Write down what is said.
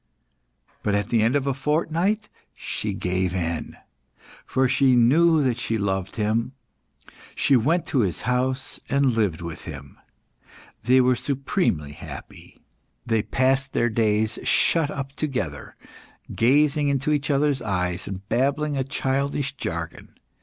But at the end of a fortnight she gave in, for she knew that she loved him; she went to his house and lived with him. They were supremely happy. They passed their days shut up together, gazing into each other's eyes, and babbling a childish jargon.